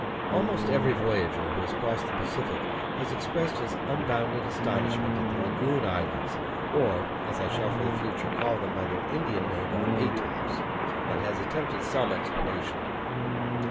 Almost every voyager who has crossed the Pacific has expressed his unbounded astonishment at the lagoon islands, or as I shall for the future call them by their Indian name of atolls, and has attempted some explanation.